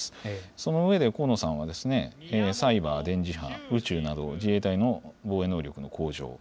その上で河野さんは、サイバー、電磁波、宇宙など、自衛隊の防衛能力の向上。